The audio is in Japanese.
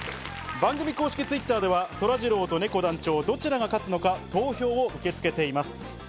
番組公式Ｔｗｉｔｔｅｒでは、そらジローとねこ団長、どちらが勝つのか投票を受け付けています。